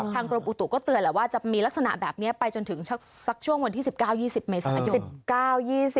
กรมอุตุก็เตือนแหละว่าจะมีลักษณะแบบนี้ไปจนถึงสักช่วงวันที่๑๙๒๐เมษายน